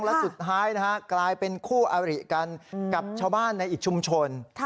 และสุดท้ายนะฮะกลายเป็นคู่อริกันกับชาวบ้านในอีกชุมชน